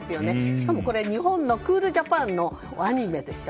しかも日本のクールジャパンのアニメでしょ。